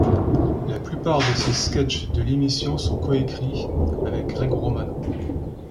La plupart de ses sketchs de l'émission sont coécrits avec Greg Romano.